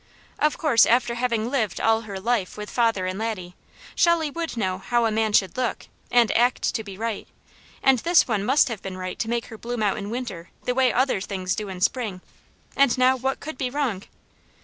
Of course after having lived all her life with father and Laddie, Shelley would know how a man should look, and act to be right; and this one must have been right to make her bloom out in winter the way other things do in spring; and now what could be wrong?